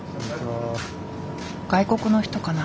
外国の人かな？